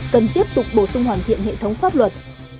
cần tiếp tục bổ sung hoàn thiện hệ thống pháp luật